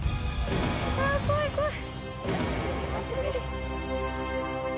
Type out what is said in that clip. あぁ怖い怖い。